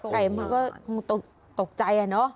ไก่มันก็ตกใจน่ะเนอะ